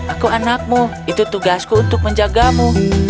aku anakmu itu tugasku untuk menjagamu